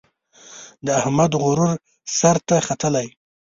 د احمد غرور سر ته ختلی.